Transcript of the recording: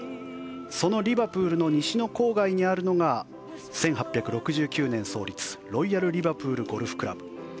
そのリバプールの西の郊外にあるのが１８６９年創立ロイヤルリバプールゴルフクラブ。